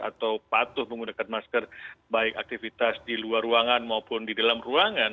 atau patuh menggunakan masker baik aktivitas di luar ruangan maupun di dalam ruangan